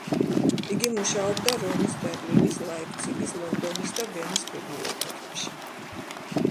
იგი მუშაობდა რომის, ბერლინის, ლაიფციგის, ლონდონის და ვენის ბიბლიოთეკებში.